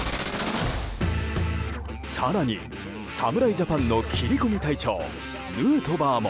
更に侍ジャパンの切り込み隊長ヌートバーも。